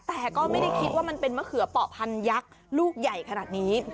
แต่ก็ไม่ได้คิดว่ามันเป็นมะเขือเปาะพันยักษ์ลูกใหญ่ขนาดนี้